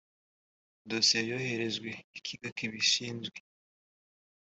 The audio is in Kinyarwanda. dosiye yohererejweho ikigo kibishinzwe